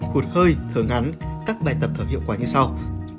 hụt hơi thở ngắn các bài tập thở hiệu quả như sau